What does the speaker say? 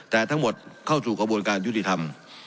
แต่ทั้งหมดเข้าสู่กระบวนการยุติธรรม